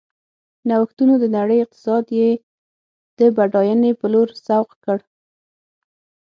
نوښتونو د نړۍ اقتصاد یې د بډاینې په لور سوق کړ.